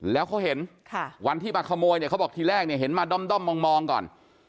แล้วเขาเห็นวันที่มาขโมยเนี่ยเขาบอกทีแรกเนี่ยเห็นมาด้อมมองก่อน